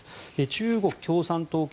中国共産党系